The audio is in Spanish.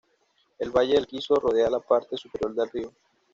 El valle del Kiso rodea la parte superior del río.